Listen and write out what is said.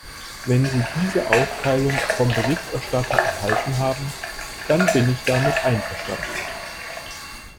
Wenn Sie diese Aufteilung vom Berichterstatter erhalten haben, dann bin ich damit einverstanden.